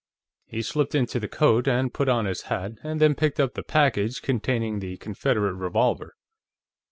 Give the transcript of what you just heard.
He slipped into the coat and put on his hat, and then picked up the package containing the Confederate revolver.